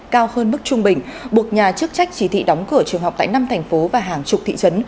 cao hơn mức trung bình buộc nhà chức trách chỉ thị đóng cửa trường học tại năm thành phố và hàng chục thị trấn